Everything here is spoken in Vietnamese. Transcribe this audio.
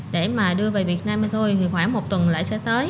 để mà đưa về việt nam với tôi khoảng một tuần lại sẽ tới